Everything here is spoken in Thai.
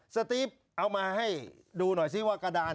สติฟเอามาให้ดูหน่อยซิว่ากระดาน